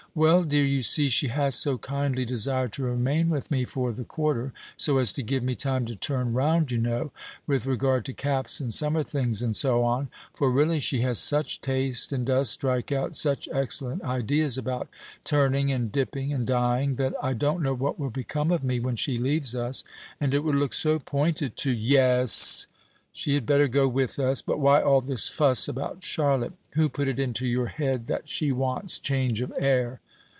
"Well, dear, you see she has so kindly desired to remain with me for the quarter, so as to give me time to turn round, you know, with regard to caps and summer things, and so on for, really, she has such taste, and does strike out such excellent ideas about turning, and dipping, and dyeing, that I don't know what will become of me when she leaves us; and it would look so pointed to " "Yes; she had better go with us. But why all this fuss about Charlotte? Who put it into your head that she wants change of air?"